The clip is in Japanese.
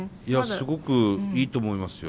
すごくいいと思いますよ